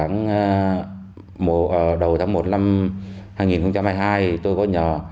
năm hai nghìn hai mươi hai tôi có nhờ